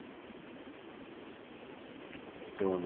貴重な。